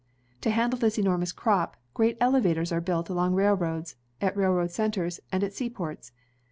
To handle this enormous crop, great elevators are built along railroads, at railroad centers, and at seaports.